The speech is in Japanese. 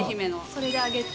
それで揚げて。